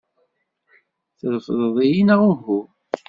Trefdeḍ-iyi neɣ uhu?